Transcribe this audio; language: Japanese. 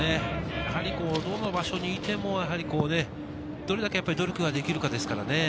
やはりどの場所にいても、どれだけ努力ができるかですからね。